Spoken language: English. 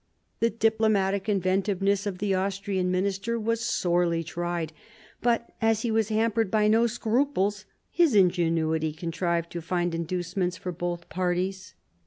The diplomatic inventiveness of the Austrian minister was sorely tried ; but, as he was hampered by no scruples, his ingenuity contrived to find inducements for both parties.